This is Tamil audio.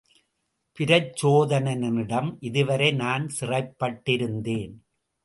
பிரச்சோதனனிடம் இதுவரை நான் சிறைப்பட் டிருந்தேன்.